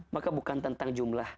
maka bukan tentang jumlah